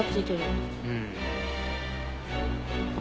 うん。